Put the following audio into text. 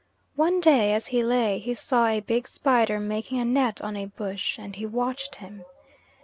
One day, as he lay, he saw a big spider making a net on a bush and he watched him.